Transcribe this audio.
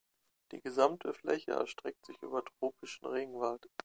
Die gesamte Fläche erstreckt sich über tropischen Regenwald.